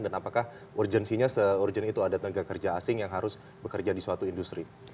dan apakah urgensinya se urgen itu ada tenaga kerja asing yang harus bekerja di suatu industri